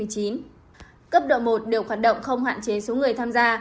cấp độ một đều hoạt động không hạn chế số người tham gia